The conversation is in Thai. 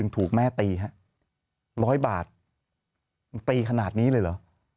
ถูกแม่ตีฮะ๑๐๐บาทมันตีขนาดนี้เลยเหรอ